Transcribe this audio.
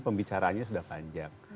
pembicaranya sudah panjang